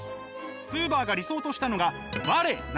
ブーバーが理想としたのが「我−汝」。